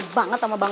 mari kita ke ruang